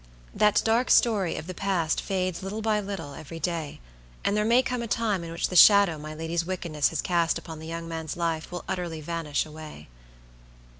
That dark story of the past fades little by little every day, and there may come a time in which the shadow my lady's wickedness has cast upon the young man's life will utterly vanish away.